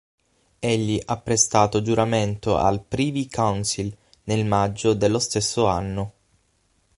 Egli ha prestato giuramento al Privy Council nel maggio dello stesso anno.